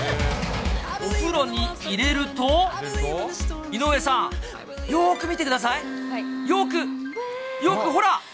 お風呂に入れると、井上さん、よーく見てください、よく、よく、ほら！